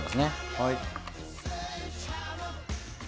はい。